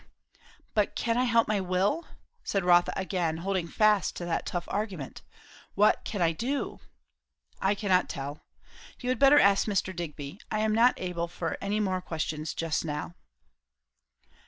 "But can I help my will?" said Rotha again, holding fast to that tough argument. "What can I do?" "I cannot tell. You had better ask Mr. Digby. I am not able for any more questions just now."